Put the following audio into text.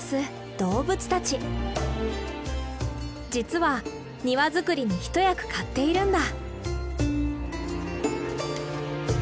実は庭作りに一役買っているんだ。